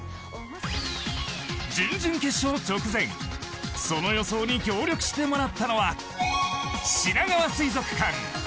準々決勝直前その予想に協力してもらったのはしながわ水族館。